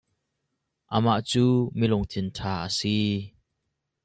Amah cu mi lungthin ṭha a si.